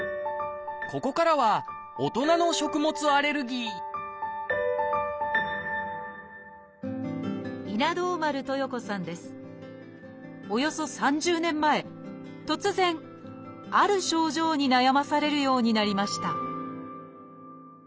ここからはおよそ３０年前突然ある症状に悩まされるようになりました